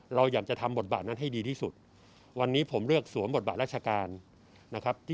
เราอยากจะทำบทบาทนั้นให้ดีที่สุดวันนี้ผมเลือกสวมบทบาทราชการนะครับ